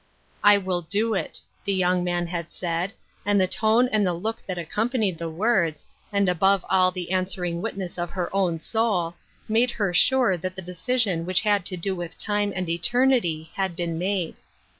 " I will do it," the young man had said, and the tone and the look that accompanied the words, and above all the answering witness of her own soul, made her sure that the decision which had to do with time and eternity had been made.